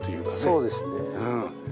そうですね。